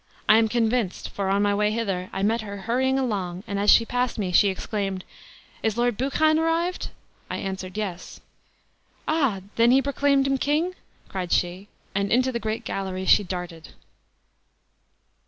I am convinced; for, on my way hither, I met her hurrying along, and as she passed me she exclaimed, 'Is Lord Buchan arrived?' I answered. 'Yes.' 'Ah, then he proclaimed him king?' cried she; and into the great gallery she darted."